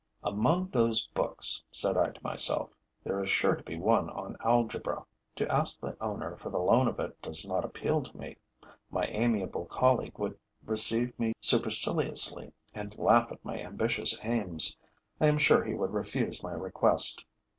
'Among those books,' said I to myself, 'there is sure to be one on algebra. To ask the owner for the loan of it does not appeal to me. My amiable colleague would receive me superciliously and laugh at my ambitious aims. I am sure he would refuse my request.'